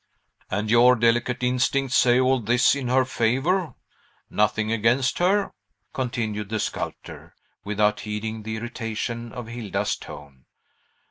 "And your delicate instincts say all this in her favor? nothing against her?" continued the sculptor, without heeding the irritation of Hilda's tone.